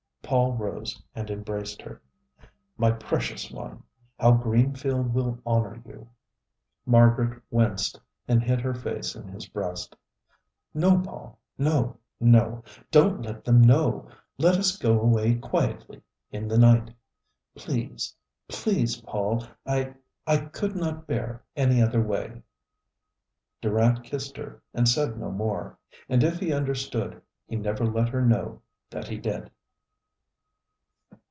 Paul rose and embraced her. "My precious one! How Greenfield will honor you!" Margaret winced and hid her face in his breast. "No, Paul, no, no. Don't let them know! Let us go away quietly, in the night. Please, please, Paul. I I could not bear any other way!" Durant kissed her and said no more. And if he understood, he never let her know that he did.